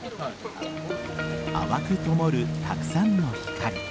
淡く灯るたくさんの光。